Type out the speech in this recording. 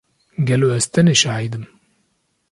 Gelo ez tenê şahid im?